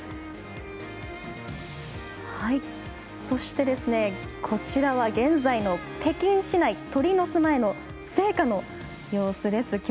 そして、こちらは現在の北京市内鳥の巣前の聖火の様子です。